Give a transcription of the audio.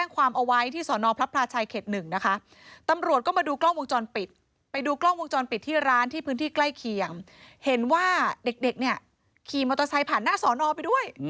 ขี่มอเตอร์ไซต์ผ่านหน้าสอนอไปด้วย